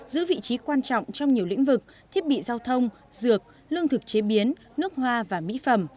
giữ vị trí quan trọng trong nhiều lĩnh vực thiết bị giao thông dược lương thực chế biến nước hoa và mỹ phẩm